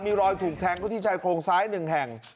มีรอยถูกแทงก็ที่ใจโครงซ้ายหนึ่งแห่ง